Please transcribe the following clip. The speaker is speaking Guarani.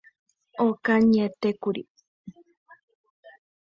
Okañyetékuri.